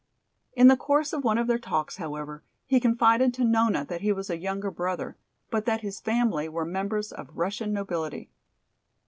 In the course of one of their talks, however, he confided to Nona that he was a younger brother, but that his family were members of the Russian nobility.